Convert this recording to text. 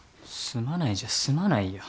すまないじゃ済まないよ。